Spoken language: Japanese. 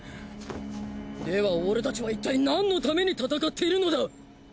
では俺たちはいったい何のために戦っているのだ！